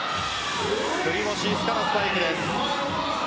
クリボシイスカのスパイクです。